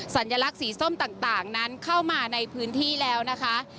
สัญลักษณ์สีส้มต่างนั้นเข้ามาในพื้นที่แล้วนะคะ